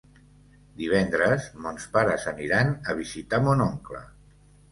Divendres mons pares aniran a visitar mon oncle.